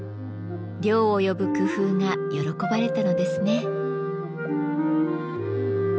涼を呼ぶ工夫が喜ばれたのですね。